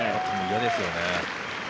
嫌ですよね。